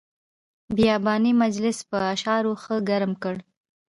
بیاباني مجلس په اشعارو ښه ګرم کړ.